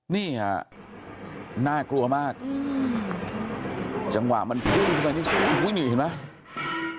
นี่ฮะน่ากลัวมากอืมจังหวะมันพุ่งขึ้นไปนี่เห็นไหม